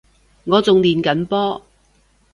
我仲練緊波